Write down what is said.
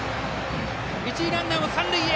一塁ランナー、三塁へ。